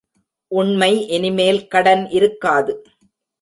உண்மை இனிமேல் கடன் இருக்காது.